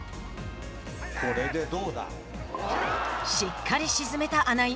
しっかり沈めた穴井